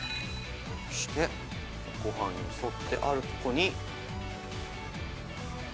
「そしてご飯よそってあるとこに」